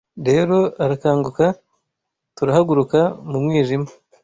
rero arakanguka, turahaguruka mu mwijima